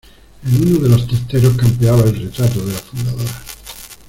en uno de los testeros campeaba el retrato de la fundadora